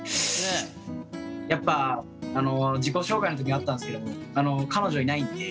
やっぱ自己紹介の時にあったんですけど１６年いないって。